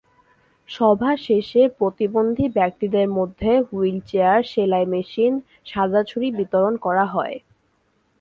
সভা শেষে প্রতিবন্ধী ব্যক্তিদের মধ্যে হুইলচেয়ার, সেলাই মেশিন, সাদাছড়ি বিতরণ করা হয়।